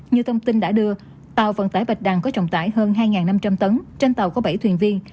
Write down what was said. như thông tin đã đưa tàu vận tải bạch đằng có trọng tải hơn hai năm trăm linh tấn trên tàu có bảy thuyền viên